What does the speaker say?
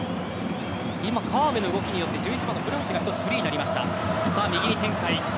川辺の動きによって１１番の古橋がフリーになりました。